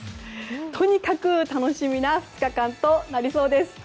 とにかく楽しみな２日間となりそうです。